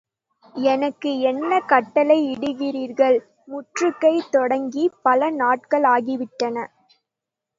எனக்கு என்ன கட்டளை இடுகிறீர்கள்? முற்றுகை தொடங்கிப் பல நாட்கள் ஆகிவிட்டன.